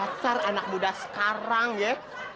karakter anak muda sekarang ya